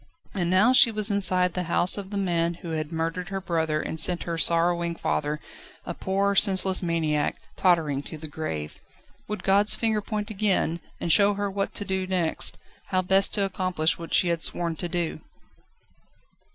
And now she was inside the house of the man who had murdered her brother and sent her sorrowing father, a poor, senseless maniac, tottering to the grave. Would God's finger point again, and show her what to do next, how best to accomplish what she had sworn to do?